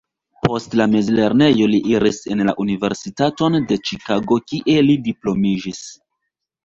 Post la mezlernejo li iris en la Universitaton de Ĉikago kie li diplomiĝis.